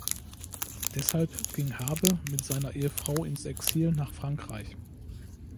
Deshalb ging Habe mit seiner Ehefrau ins Exil nach Frankreich.